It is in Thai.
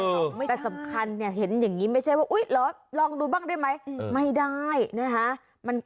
หรือปลาแต่สำคัญเนี่ยเห็นอย่างนี้ไม่ใช่ว่าอุ้ยเหรอลองดูบ้างได้ไหม